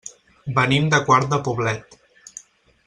Venim de Quart de Poblet.